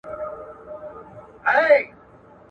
ما دي مخي ته کتلای.